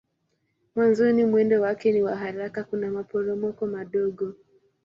Mwanzoni mwendo wake ni wa haraka kuna maporomoko madogo.